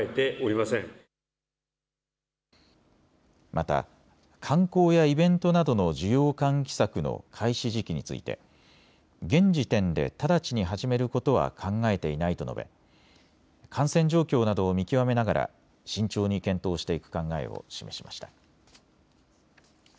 また、観光やイベントなどの需要喚起策の開始時期について現時点で直ちに始めることは考えていないと述べ、感染状況などを見極めながら慎重に検討していく考えを示しました。